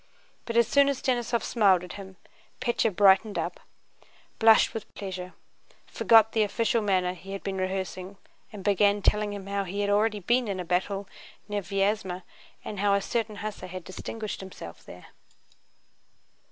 But as soon as Denísov smiled at him Pétya brightened up, blushed with pleasure, forgot the official manner he had been rehearsing, and began telling him how he had already been in a battle near Vyázma and how a certain hussar had distinguished himself there.